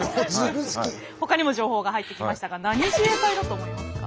ほかにも情報が入ってきましたが何自衛隊だと思いますか？